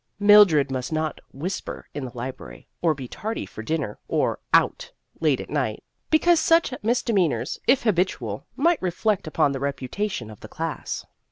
Mildred must not whisper in the library, or be tardy for din ner, or "out" late at night, because such misdemeanors, if habitual, might reflect upon the reputation of the class.